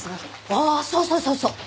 あっそうそうそうそう。